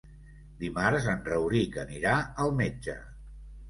Dimarts en Rauric anirà al metge.